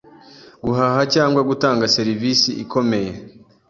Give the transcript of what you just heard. guhaha cyangwa gutanga serivisi ikomeye